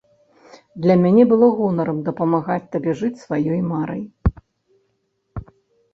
Для мяне было гонарам дапамагаць табе жыць сваёй марай.